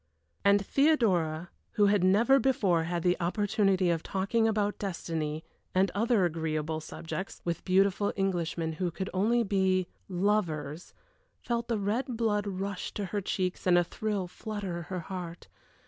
And Theodora, who had never before had the opportunity of talking about destiny, and other agreeable subjects, with beautiful Englishmen who could only be lovers felt the red blood rush to her cheeks and a thrill flutter her heart.